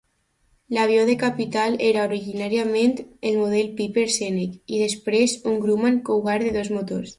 L"avió de Capital era originàriament el model Piper Senec i després un Grumman Cougar de dos motors.